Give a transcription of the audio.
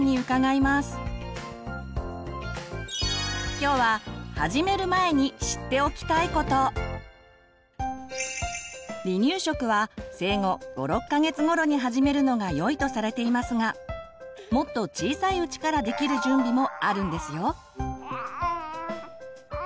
今日は離乳食は生後５６か月頃に始めるのがよいとされていますがもっと小さいうちからできる準備もあるんですよ。